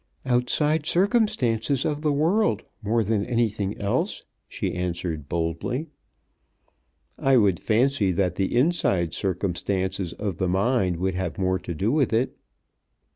"Outside circumstances of the world more than anything else," she answered, boldly. "I would fancy that the inside circumstances of the mind would have more to do with it."